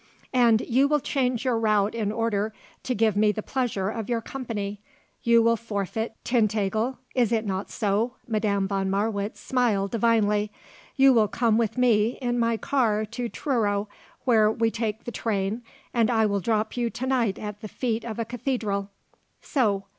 "And you will change your route in order to give me the pleasure of your company. You will forfeit Tintagel: is it not so?" Madame von Marwitz smiled divinely. "You will come with me in my car to Truro where we take the train and I will drop you to night at the feet of a cathedral. So.